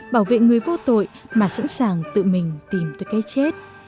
bảo vệ người vô tội mà sẵn sàng tự mình tìm tới cái chết